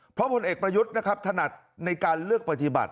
เพราะผลเอกประยุทธ์นะครับถนัดในการเลือกปฏิบัติ